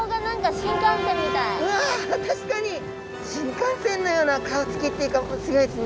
新幹線のような顔つきっていうかすギョいですね。